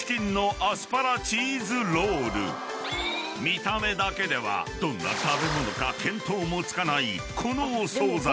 ［見た目だけではどんな食べ物か見当もつかないこのお惣菜］